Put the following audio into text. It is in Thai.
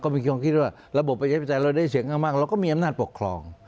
มีความคิดว่าระบบประชาธิปไตยเราได้เสียงข้างมากเราก็มีอำนาจปกครอง